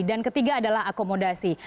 dan ketiga adalah akomodasi